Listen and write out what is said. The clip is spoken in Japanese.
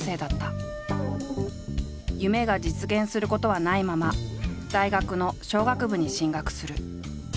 夢が実現することはないまま大学の商学部に進学する。